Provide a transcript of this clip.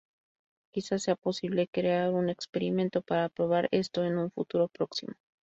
Quizás sea posible crear un experimento para probar esto en un futuro próximo.